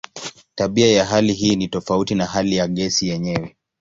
Tabia ya hali hii ni tofauti na hali ya gesi yenyewe.